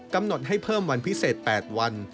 กำหนดให้เพิ่มวันพิเศษ๘วัน